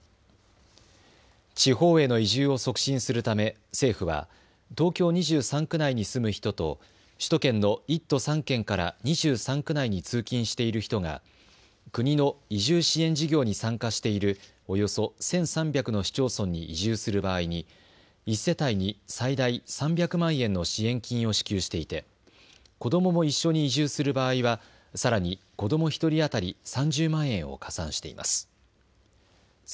地方への移住を促進するため政府は東京２３区内に住む人と首都圏の１都３県から２３区内に通勤している人が国の移住支援事業に参加しているおよそ１３００の市町村に移住する場合に１世帯に最大３００万円の支援金を支給していて子どもも一緒に移住する場合はさらに子ども１人当たり３０万円を加算しています。